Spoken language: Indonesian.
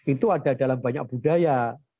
itu ada dalam banyak budaya